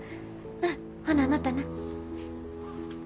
うんほなまたな。